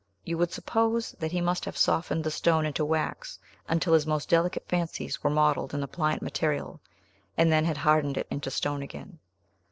You would suppose that he must have softened the stone into wax, until his most delicate fancies were modelled in the pliant material, and then had hardened it into stone again.